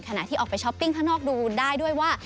ที่ออกไปช้อปปิ้งข้างนอกดูได้ด้วยว่า